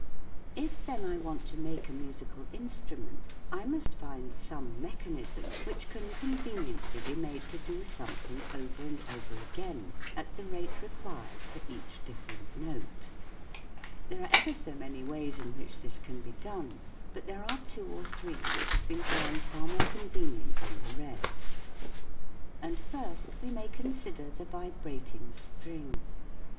If, then, I want to make a musical instrument, I must find some mechanism which can con veniently be made to do something over and over again at the rate required for each different note. There are ever so many ways in which this can be done ; but there are two or three which have been found far more convenient than the rest. And first we may consider the vibrating string.